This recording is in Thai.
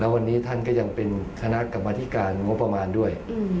วันนี้ท่านก็ยังเป็นคณะกรรมธิการงบประมาณด้วย